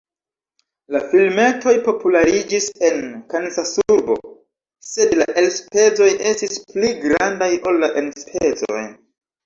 La filmetoj populariĝis en Kansasurbo sed la elspezoj estis pli grandaj ol la enspezoj.